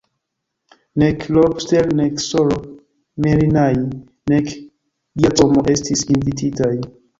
Nek Lobster, nek S-ro Merinai, nek Giacomo estis invititaj.